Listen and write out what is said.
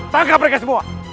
tangkap mereka semua